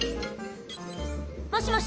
「もしもし？